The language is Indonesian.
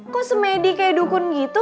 kok semedi kayak dukun gitu